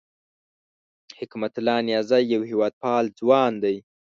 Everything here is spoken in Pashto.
حکمت الله نیازی یو هېواد پال ځوان دی